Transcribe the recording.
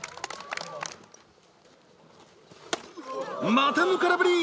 またも空振り！